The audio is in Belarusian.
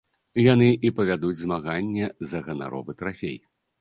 Яны і павядуць змаганне за ганаровы трафей.